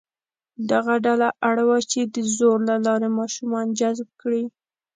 دغه ډله اړ وه چې د زور له لارې ماشومان جذب کړي.